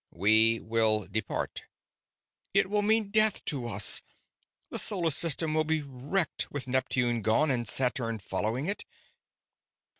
"We will depart." "It will mean death to us! The solar system will be wrecked with Neptune gone and Saturn following it!"